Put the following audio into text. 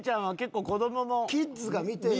キッズが見てる。